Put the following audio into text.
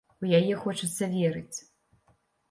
У яе хочацца верыць.